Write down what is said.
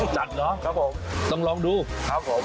จัดเนาะครับผมต้องลองดูครับผม